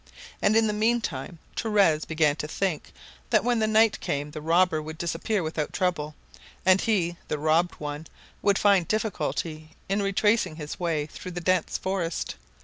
And in the meantime Torres had begun to think that when the night came the robber would disappear without trouble, and he, the robbed one, would find a difficulty in retracing his way through the dense forest.